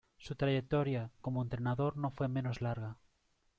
Su trayectoria como entrenador no fue menos larga.